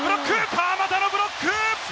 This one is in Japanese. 川真田のブロック！